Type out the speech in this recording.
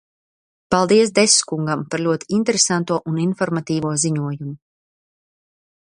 Paldies Dess kungam par ļoti interesanto un informatīvo ziņojumu.